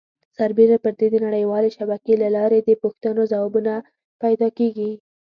سربیره پر دې د نړۍ والې شبکې له لارې د پوښتنو ځوابونه پیدا کېږي.